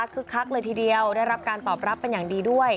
คักเลยทีเดียวได้รับการตอบรับเป็นอย่างดีด้วย